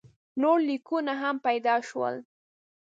نور لیکونه هم پیدا شول.